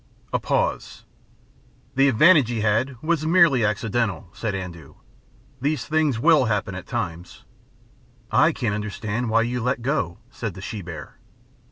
A pause. "The advantage he had was merely accidental," said Andoo. "These things will happen at times." "I can't understand why you let go," said the she bear.